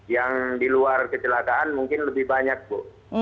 yang di luar kecelakaan mungkin lebih banyak bu